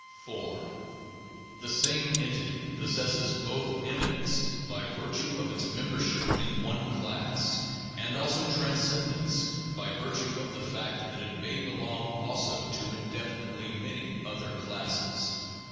398 THE JOURNAL OF PHILOSOPHY 4. The same entity possesses both immanence, by virtue of its membership in one class, and also transcendence, by virtue of the fact that it may belong also to indefinitely many other classes.